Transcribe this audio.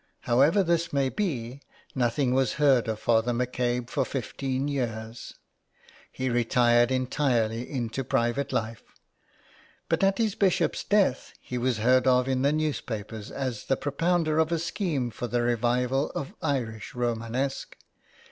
However this may be, nothing was heard of Father McCabe for fifteen years. 12 IN THE CLAY. He retired entirely into private life, but at his Bishop's death he was heard of in the newspapers as the propounder of a scheme for the revival of Irish Romanesque.